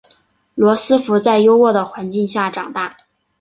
罗斯福在优渥的环境下长大。